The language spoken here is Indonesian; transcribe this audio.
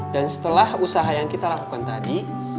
dan setelah usaha yang kita lakukan tadi